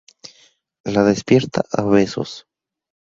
La despierta a besos.